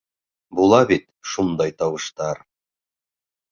Була бит шундай тауыштар.